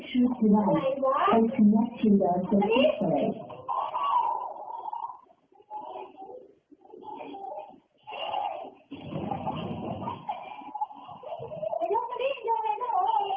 ไหนกว่า